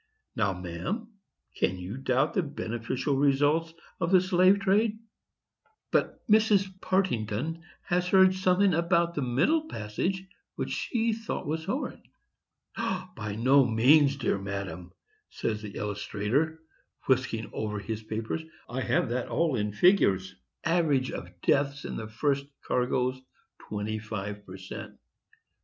Now, ma'am, can you doubt the beneficial results of the slave trade?" But Mrs Partington has heard something about that middle passage which she thought was horrid. "By no means, my dear madam," says the illustrator, whisking over his papers. "I have that all in figures,—average of deaths in the first cargoes, 25 _per cent.